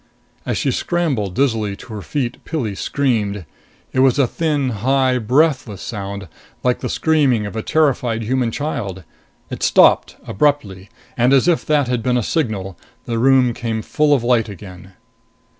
As she scrambled dizzily to her feet, Pilli screamed. It was a thin, high, breathless sound like the screaming of a terrified human child. It stopped abruptly. And, as if that had been a signal, the room came full of light again.